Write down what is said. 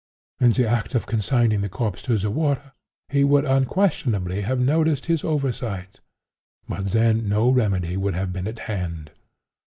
In the act of consigning the corpse to the water, he would unquestionably have noticed his oversight; but then no remedy would have been at hand.